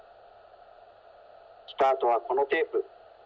スタートはこのテープ。